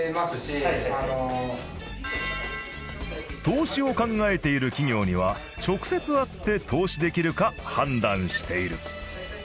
投資を考えている企業には直接会って投資できるか判断している。